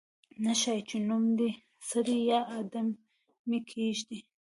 نه ښايي چې نوم دې سړی یا آدمي کېږدي.